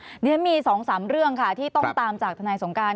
อ่านี่มี๒๓เรื่องค่ะที่ต้องตามจากธนายสงการ